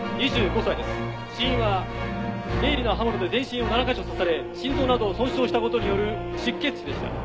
死因は鋭利な刃物で全身を７カ所刺され心臓などを損傷したことによる失血死でした。